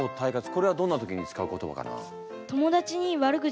これはどんな時に使う言葉かな？